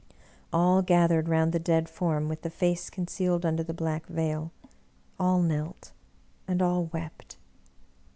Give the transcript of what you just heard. All gathered round the dead form with the face con cealed under the Black Veil; all knelt, and all wept.